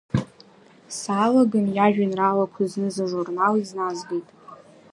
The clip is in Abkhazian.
Саалаган, иажәеинраалақәа зныз ажурнал изназгеит.